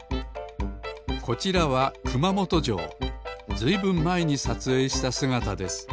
ずいぶんまえにさつえいしたすがたです